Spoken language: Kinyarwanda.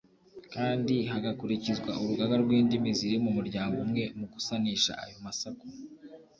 kandsi hagakurikizwa urugaga rw’indimi ziri mu muryango umwe mu gusanisha ayo masaku.